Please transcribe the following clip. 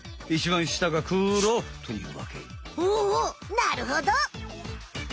なるほど。